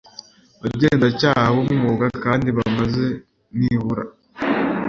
bagenzacyaha b umwuga kandi bamaze nibura